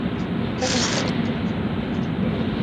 চার রাস্তার মোড়ে আসার আগেই একদল তরুণ মিছিলটির ওপর হামলা করে।